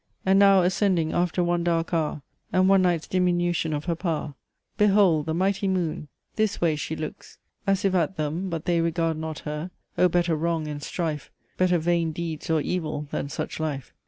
And now, ascending, after one dark hour, And one night's diminution of her power, Behold the mighty Moon! this way She looks, as if at them but they Regard not her: oh, better wrong and strife, Better vain deeds or evil than such life!